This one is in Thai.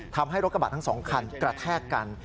ทำให้รถกระบะทั้งสองคันกระแทกกัน